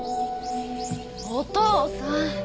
お父さん。